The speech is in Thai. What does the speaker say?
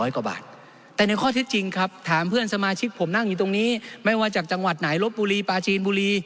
ข้าวเจ้า๙๐๐๐กว่าบาท